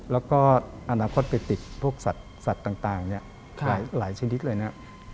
แล้วก็อนาคตไปติดพวกสัตว์ต่างหลายชนิดเลยนะ